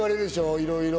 いろいろ。